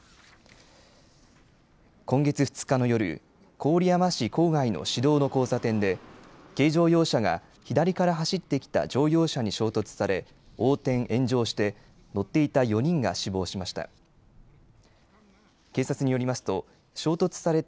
今月２日の夜、郡山市郊外の市道の交差点で軽乗用車が左から走ってきた乗用車に衝突され横転・炎上して乗っていた４人が死亡しました。